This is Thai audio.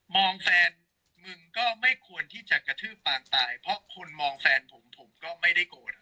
แฟนมึงก็ไม่ควรที่จะกระทืบปางตายเพราะคุณมองแฟนผมผมก็ไม่ได้โกรธ